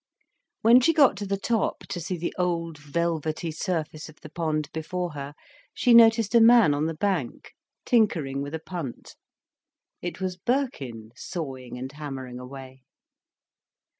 When she got to the top, to see the old, velvety surface of the pond before her, she noticed a man on the bank, tinkering with a punt. It was Birkin sawing and hammering away.